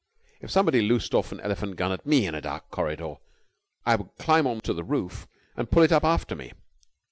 If somebody loosed off an elephant gun at me in a dark corridor, I would climb on to the roof and pull it up after me.